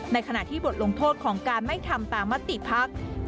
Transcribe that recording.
ในขณะที่บทลงโทษของการไม่ทำตามมติภักดิ์